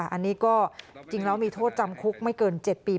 อันนี้ก็จริงแล้วมีโทษจำคุกไม่เกิน๗ปี